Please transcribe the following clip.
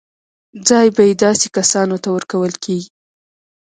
ځای به یې داسې کسانو ته ورکول کېږي.